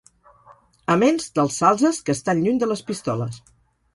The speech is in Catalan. Aments dels salzes que estan lluny de les pistoles.